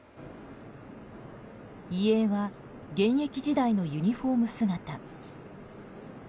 遺影は現役時代のユニホーム姿。